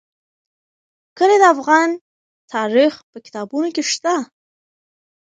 کلي د افغان تاریخ په کتابونو کې شته.